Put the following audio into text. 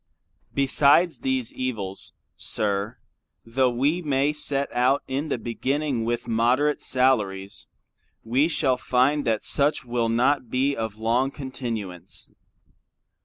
Besides these evils, Sir, tho' we may set out in the beginning with moderate salaries, we shall find that such will not be of long continuance.